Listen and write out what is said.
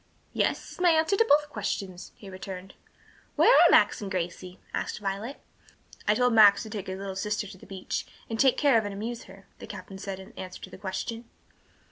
"Yes, is my answer to both questions," he returned. "Where are Max and Gracie?" asked Violet. "I told Max to take his little sister to the beach, and take care of and amuse her," the captain said in answer to the question.